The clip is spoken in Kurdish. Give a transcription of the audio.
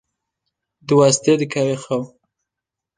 diweste dikeve xew.